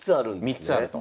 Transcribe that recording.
３つあると。